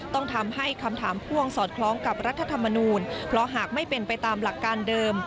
ต้องทำให้คำถามพ่วงสอดคล้องกับรัฐธรรมนูลเพราะหากไม่เป็นไปตามหลักการเดิม